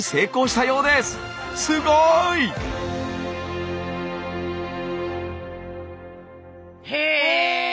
すごい！へえ！